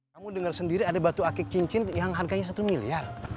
kamu dengar sendiri ada batu akik cincin yang harganya satu miliar